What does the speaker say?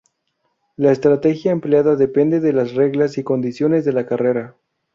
La estrategia empleada depende de las reglas y condiciones de la carrera.